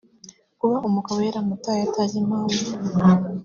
kuba umugabo yaramutaye atazi impamvu